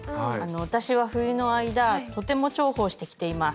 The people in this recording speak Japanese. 私は冬の間とても重宝して着ています。